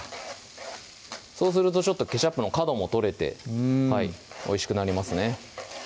そうするとちょっとケチャップの角も取れて美味しくなりますね